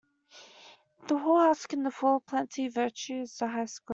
The hull husk and the full in plenty Virtue is the highest good.